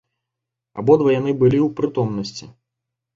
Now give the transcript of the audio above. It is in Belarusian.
Абодва яны былі ў прытомнасці.